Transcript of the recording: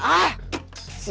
sialan si sean kiri